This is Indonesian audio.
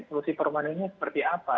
solusi permanennya seperti apa